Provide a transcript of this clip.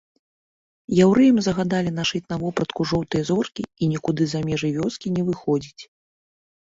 Яўрэям загадалі нашыць на вопратку жоўтыя зоркі і нікуды за межы вёскі не выходзіць.